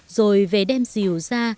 rồi về đem diều ra